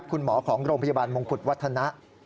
คุณหมอของโรงพยาบาลมงกุฎวัฒนะ